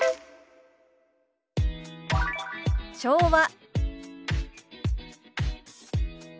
「昭和」。